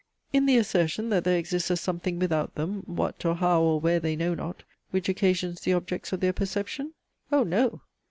In the assertion that there exists a something without them, what, or how, or where they know not, which occasions the objects of their perception? Oh no!